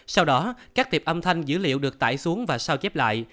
sau đó các tiệp âm thanh dữ liệu được tải xuống và sao chép lại